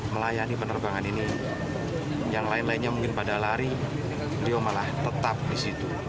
melayani penerbangan ini yang lain lainnya mungkin pada lari beliau malah tetap di situ